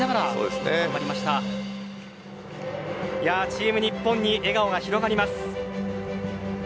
チーム日本に笑顔が広がります。